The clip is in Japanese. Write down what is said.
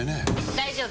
大丈夫！